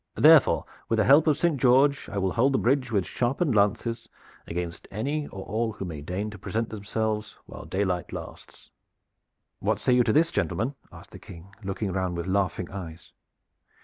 Therefore, with the help of Saint George, I will hold the bridge with sharpened lances against any or all who may deign to present themselves while daylight lasts." "What say you to this, gentlemen?" asked the King, looking round with laughing eyes.